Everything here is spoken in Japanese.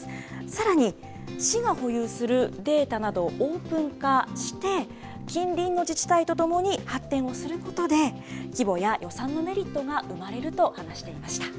さらに、市が保有するデータなどをオープン化して、近隣の自治体と共に発展をすることで、規模や予算のメリットが生まれると話していました。